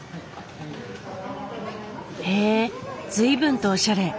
へえ随分とおしゃれ。